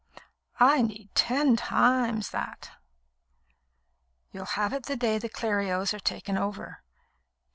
"I need ten times that." "You'll have it the day the Clerios are taken over."